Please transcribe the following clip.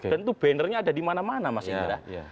dan tuh bannernya ada dimana mana mas indra